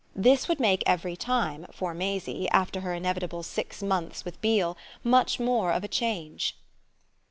This would make every time, for Maisie, after her inevitable six months with Beale, much more of a change.